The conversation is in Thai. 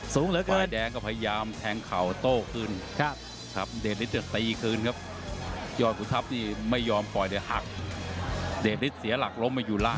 สูงเหลือเกิน